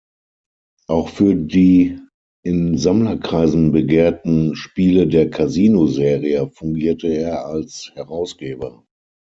Auch für die in Sammlerkreisen begehrten Spiele der "Casino-Serie" fungierte er als Herausgeber.